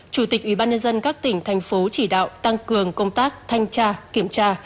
chủ tịch ubnd các tỉnh thành phố chỉ đạo tăng cường công tác thanh tra kiểm tra